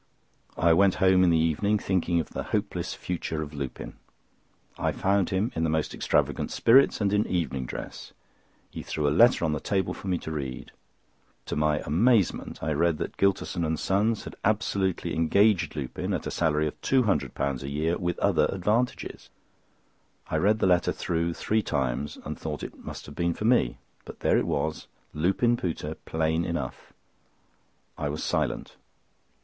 I went home in the evening, thinking of the hopeless future of Lupin. I found him in most extravagant spirits and in evening dress. He threw a letter on the table for me to read. To my amazement, I read that Gylterson and Sons had absolutely engaged Lupin at a salary of £200 a year, with other advantages. I read the letter through three times and thought it must have been for me. But there it was—Lupin Pooter—plain enough. I was silent.